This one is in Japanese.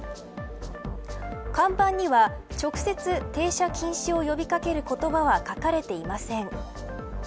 看板には、直接停車禁止を呼び掛ける言葉は書かれていません。